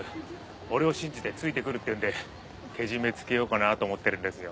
俺を信じてついてくるって言うんでけじめつけようかなと思ってるんですよ。